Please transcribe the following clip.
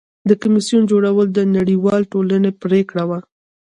د کمیسیون جوړول د نړیوالې ټولنې پریکړه وه.